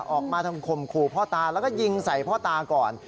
ออกมาทำข่มขู่พ่อตาแล้วก็ยิงใส่พ่อตาก่อน